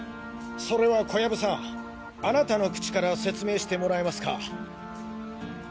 それは小藪さんあなたの口から説明してもらえますか？